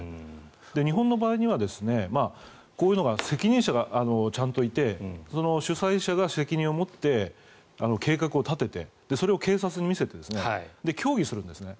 日本の場合にはこういうのは責任者がちゃんといて主催者が責任を持って計画を立ててそれを警察に見せて協議するんですね。